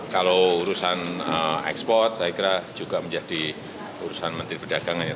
kalau urusan ekspor saya kira juga menjadi urusan menteri perdagangan ya